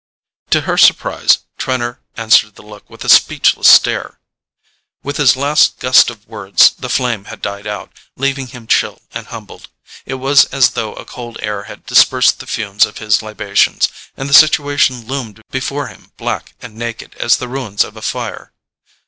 To her surprise, Trenor answered the look with a speechless stare. With his last gust of words the flame had died out, leaving him chill and humbled. It was as though a cold air had dispersed the fumes of his libations, and the situation loomed before him black and naked as the ruins of a fire.